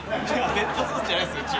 デッドゾーンじゃないですうち。